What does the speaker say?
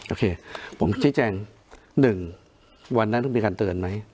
โอเคผมชี้แจง๑วันนั้นต้องมีการเตือนไหม